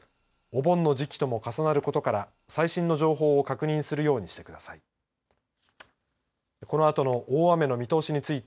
お盆の時期とも重なることから最新の情報を確認するようにしてください。